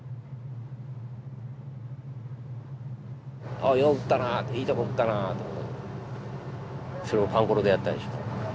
ああよう撃ったないいとこ撃ったなそれをパンコロでやったでしょう。